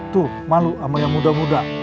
tuh malu sama yang muda muda